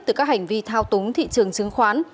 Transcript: từ các hành vi thao túng thị trường chứng khoán